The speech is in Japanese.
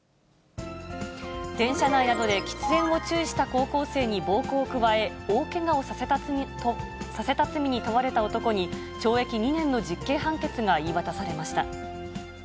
電車内などで喫煙を注意した高校生に暴行を加え、大けがをさせた罪に問われた男に、懲役２年の実刑判決が言い渡されました。